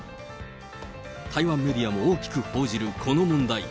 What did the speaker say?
台湾メディアも大きく報じるこの問題。